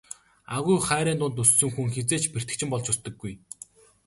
Агуу их хайрын дунд өссөн хүн хэзээ ч бэртэгчин болж өсдөггүй.